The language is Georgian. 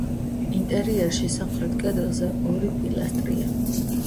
ინტერიერში სამხრეთ კედელზე ორი პილასტრია.